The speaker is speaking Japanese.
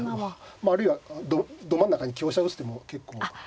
まああるいはど真ん中に香車打つ手も結構。